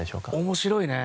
面白いね。